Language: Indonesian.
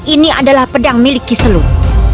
ini adalah pedang milik kiseluruh